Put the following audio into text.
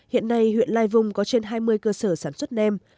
hiện nay huyện lai vung có trên hai mươi cơ sở sản xuất nem